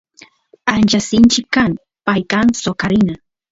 ancha sinchi kan pay kan soqarina